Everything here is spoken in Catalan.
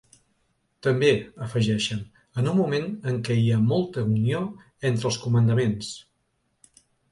També, afegeixen, en un moment en què hi ha molta unió entre els comandaments.